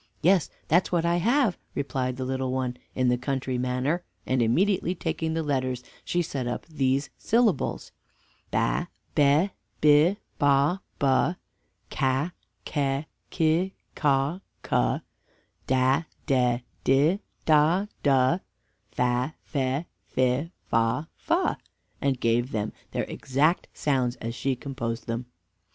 "Yes, that's what I have," replied the little one, in the country manner: and immediately taking the letters she set up these syllables: ba be bi bo bu, ca ce ci co cu, da de di do du, fa fe fi fo fu, and gave them their exact sounds as she composed them.